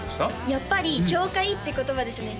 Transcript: やっぱり「氷解」って言葉ですね